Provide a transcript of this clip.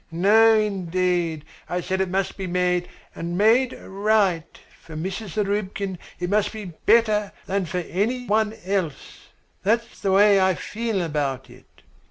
No, indeed, I said it must be made and made right for Mrs. Zarubkin, it must be better than for any one else. That's the way I feel about it."